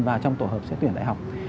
và trong tổ hợp xét tuyển đại học